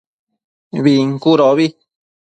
Bincudobi